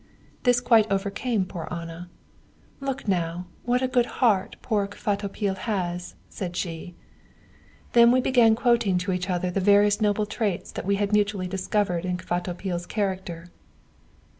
"This quite overcame poor Anna. 'Look now, what a good heart poor Kvatopil has!' said she. "Then we began quoting to each other the various noble traits that we had mutually discovered in Kvatopil's character...."